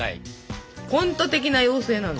コント的な妖精なんだ？